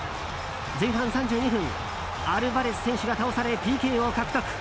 前半３２分アルヴァレス選手が倒されＰＫを獲得。